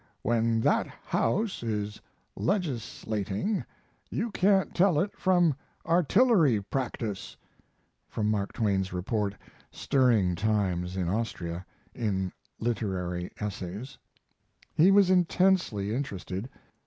["When that house is legislating you can't tell it from artillery practice." From Mark Twain's report, "Stirring Times in Austria," in Literary Essays,] He was intensely interested.